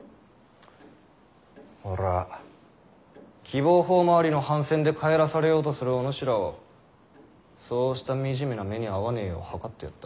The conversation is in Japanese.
俺は喜望峰回りの帆船で帰らされようとするお主らをそうした惨めな目に遭わねぇよう計ってやった。